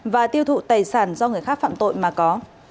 và tiêu thụ tài sản do người khác phạm tội mà có